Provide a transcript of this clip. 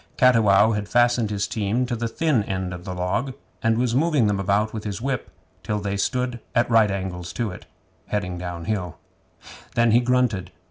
Cattiwow had fastened his team to the thin end of the log, and was moving them about with his whip till they stood at right angles to it, heading downhill. Then he grunted.